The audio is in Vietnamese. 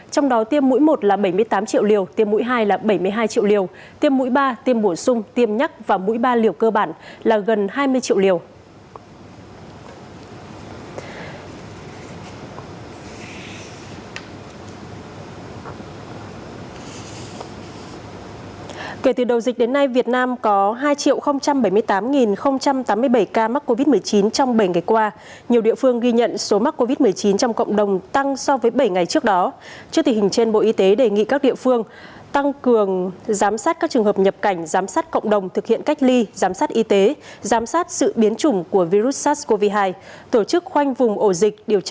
trong đó tiêm mũi một là bảy mươi tám triệu liều tiêm mũi hai là bảy mươi hai triệu liều